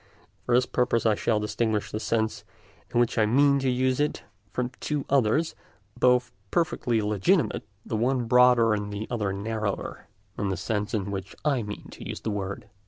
For this purpose I shall distinguish the sense in which I mean to use it from two others, both perfectly legitimate, the one broader and the other narrower than the sense in which I mean to use the word.